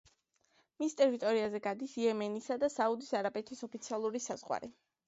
მის ტერიტორიაზე გადის იემენისა და საუდის არაბეთის ოფიციალური საზღვარი.